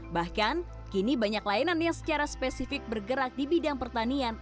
bahkan kini banyak layanan yang secara spesifik bergerak di bidang pertanian